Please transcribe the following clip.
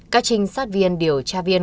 các trinh sát viên điều tra viên